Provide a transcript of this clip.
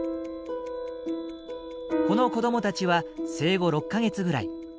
この子どもたちは生後６か月ぐらい。